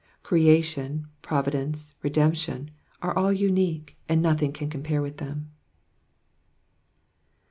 Creation, providence, redemption, are all unique, and nothing can compare with them.